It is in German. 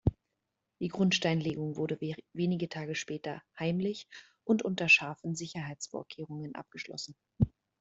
Die Grundsteinlegung wurde wenige Tage später heimlich und unter scharfen Sicherheitsvorkehrungen abgeschlossen.